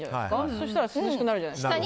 そしたら涼しくなるんじゃないですか？